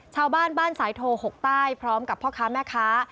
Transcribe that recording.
ชาวบ้านบ้านสายโทหกใต้พร้อมกับพ่อค้าแม่ค้า